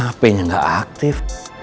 hp nya nggak aktif